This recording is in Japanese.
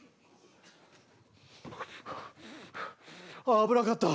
危なかった。